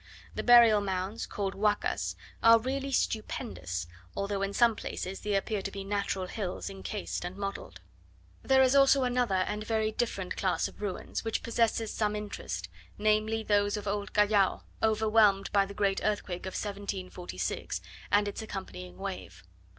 The burial mounds, called Huacas, are really stupendous; although in some places they appear to be natural hills incased and modelled. There is also another and very different class of ruins, which possesses some interest, namely, those of old Callao, overwhelmed by the great earthquake of 1746, and its accompanying wave.